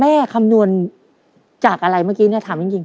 คำนวณจากอะไรเมื่อกี้เนี่ยถามจริง